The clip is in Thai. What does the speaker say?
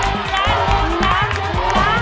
หนึ่งล้านหนึ่งล้านหนึ่งล้าน